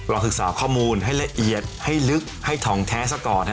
ศึกษาข้อมูลให้ละเอียดให้ลึกให้ทองแท้ซะก่อน